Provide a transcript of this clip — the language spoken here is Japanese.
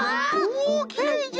おきれいじゃ！